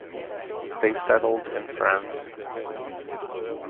They settled in France.